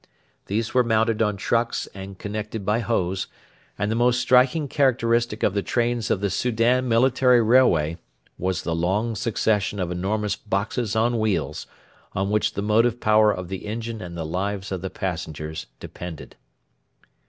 These were mounted on trucks and connected by hose; and the most striking characteristic of the trains of the Soudan military railway was the long succession of enormous boxes on wheels, on which the motive power of the engine and the lives of the passengers depended.